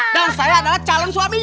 dan saya adalah calon suaminya